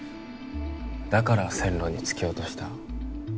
だから線路に突き落とした？